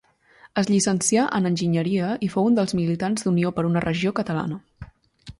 Es llicencià en enginyeria i fou un dels militants d'Unió per una Regió Catalana.